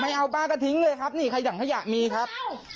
ป้าก็ทิ้งเลยครับนี่ขยั่งขยะมีครับ